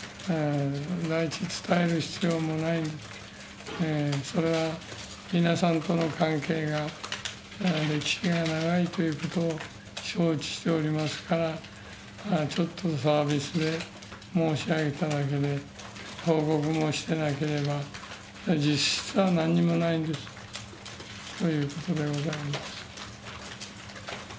第一伝える必要もないんですけど、それは皆さんとの関係が歴史が長いということを承知しておりますから、ちょっとサービスで申し上げただけで、報告もしてなければ実際、なんにもないんです。ということでございます。